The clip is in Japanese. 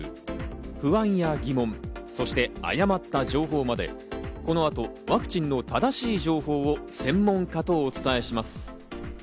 不安や疑問、そして誤った情報まで、この後ワクチンの正しい情報を専門家とお伝えします。